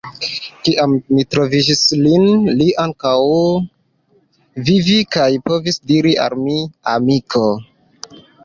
Kiam mi trovis lin, li ankoraŭ vivis kaj povis diri al mi: «Amiko...